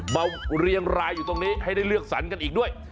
เรียงรายอยู่ตรงนี้ให้ได้เลือกสรรกันอีกด้วย